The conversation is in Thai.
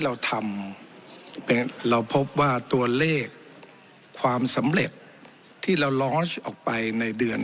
เราทำเราพบว่าตัวเลขความสำเร็จที่เราลอนซ์ออกไปในเดือน